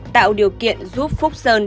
tạo điều kiện giúp phúc sơn